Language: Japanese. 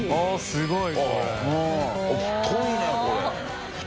すごい。